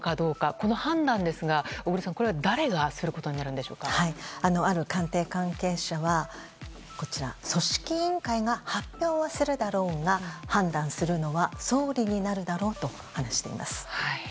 この判断ですが小栗さん誰がすることになるんでしょうか。ある官邸関係者は組織委員会が発表はするだろうが判断するのは総理になるだろうと話しています。